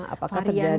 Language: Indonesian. apakah terjadi mutasi